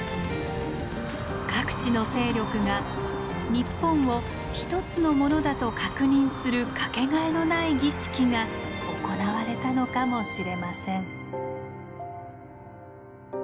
各地の勢力が日本を一つのものだと確認する掛けがえのない儀式が行われたのかもしれません。